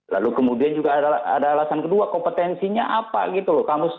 lalu kemudian juga ada alasan kedua kompetensinya apa gitu loh